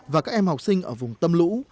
và các em học sinh ở vùng tâm lũ